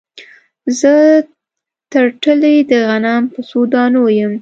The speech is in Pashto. زه ترټلي د غنم په څو دانو یم